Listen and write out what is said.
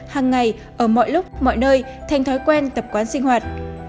hàng ngày ở mọi lúc mọi nơi thành thói quen tập quán sinh hoạt